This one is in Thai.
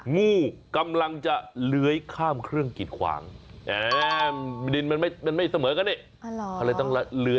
งูกำลังจะเลื้อยข้ามเครื่องกิดขวางดิน